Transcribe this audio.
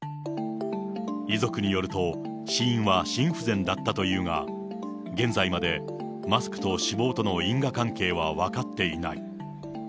遺族によると、死因は心不全だったというが、現在までマスクと死亡との因果関係は分かっていない。